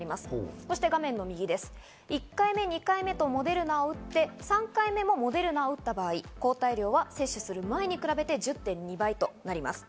そして１回目、２回目とモデルナを打って３回目もモデルナを打った場合、抗体量は接種する前に比べて１０．２倍となります。